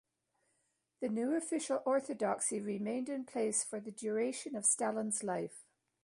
This new official orthodoxy remained in place for the duration of Stalin's life.